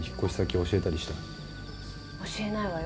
教えないわよ。